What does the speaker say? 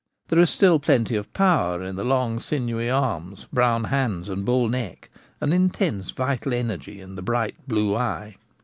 There is still plenty of power in the long sinewy arms, brown hands, and bull neck, and intense vital energy in the bright blue eye.